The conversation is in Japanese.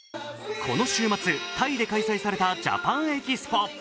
この週末、タイで開催されたジャパンエキスポ。